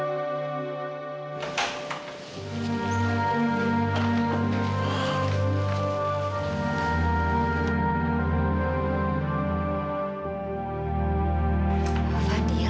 aku mau menerima kenyataan bahwa taufan udah meninggal